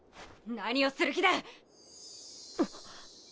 何をする気だ？